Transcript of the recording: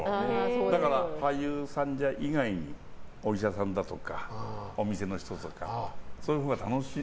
だから俳優さん以外にお医者さんだとか、お店の人とかそういうほうが楽しい。